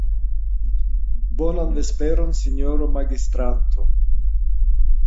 Bonan vesperon, sinjoro magistranto.